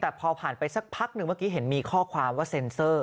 แต่พอผ่านไปสักพักหนึ่งเมื่อกี้เห็นมีข้อความว่าเซ็นเซอร์